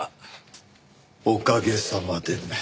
おかげさまで。